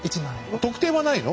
特典はないの？